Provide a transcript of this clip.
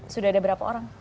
sudah ada berapa orang